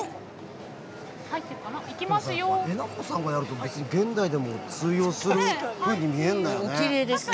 えなこさんがやると現代でも通用するように見えるよね。